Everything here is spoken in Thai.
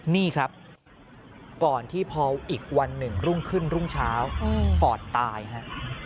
นี่ครับก่อนที่พออีกวันหนึ่งรุ่งขึ้นรุ่งเช้าฟอร์ดตายฮะ